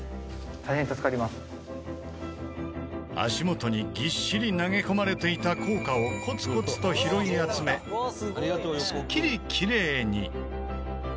足元にぎっしり投げ込まれていた硬貨をコツコツと拾い集めすっきりきれいに。